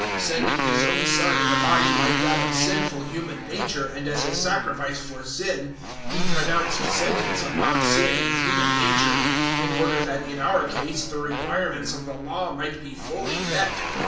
Sending His own Son in a body like that of sinful human nature and as a sacrifice for sin, He pronounced sentence upon sin in human nature; 008:004 in order that in our case the requirements of the Law might be fully met.